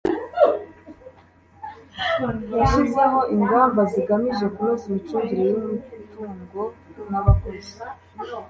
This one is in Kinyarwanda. yashyizeho ingamba zigamije kunoza imicungire y umutungo n abakozi